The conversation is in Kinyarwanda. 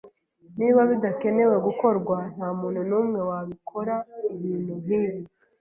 Niba bidakenewe gukorwa, ntamuntu numwe wakora ibintu nkibi.